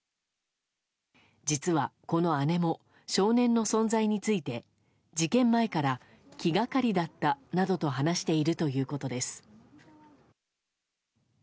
実は、この姉も少年の存在について事件前から気がかりだったなどと話しているということです。